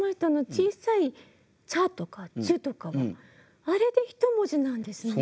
小さい「ちゃ」とか「ちゅ」とかはあれで１文字なんですね。